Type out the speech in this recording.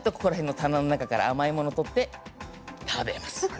棚の中から甘いものを取って食べます。